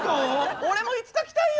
俺もいつか着たいよ！